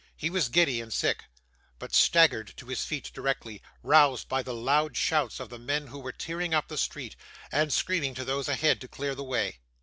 He was giddy and sick, but staggered to his feet directly, roused by the loud shouts of the men who were tearing up the street, and screaming to those ahead to clear the way.